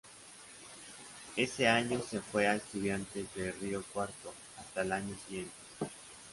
Ese año se fue a Estudiantes de Río Cuarto, hasta el año siguiente.